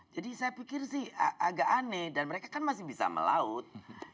jadi saya pikir sih agak aneh dan mereka kan masih bisa melaut